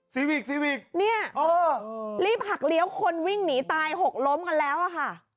ซีวิกนี่รีบหักเลี้ยวคนวิ่งหนีตายหกล้มกันแล้วค่ะ